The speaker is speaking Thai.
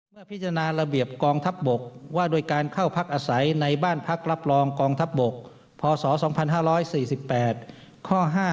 พิจารณาระเบียบกองทัพบกว่าโดยการเข้าพักอาศัยในบ้านพักรับรองกองทัพบกพศ๒๕๔๘ข้อ๕